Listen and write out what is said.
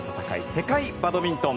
世界バドミントン。